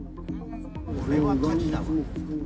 これは火事だわ。